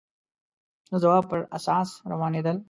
د ځواب پر اساس روانېدل